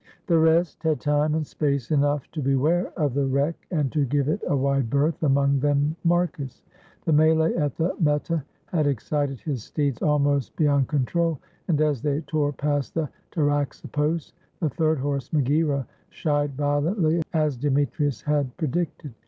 The rest had time and space enough to beware of the wreck and to give it a wide berth, among them Marcus. The melee at the meta had excited his steeds almost be yond control, and as they tore past the Taraxippos the third horse, Megaera, shied violently as Demetrius had predicted.